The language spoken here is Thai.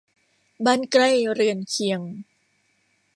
บ้านใกล้เรือนเคียง